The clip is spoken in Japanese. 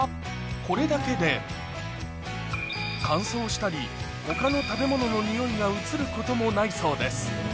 これだけで乾燥したり他の食べ物のにおいが移ることもないそうです